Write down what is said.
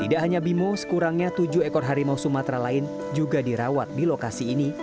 tidak hanya bimo sekurangnya tujuh ekor harimau sumatera lain juga dirawat di lokasi ini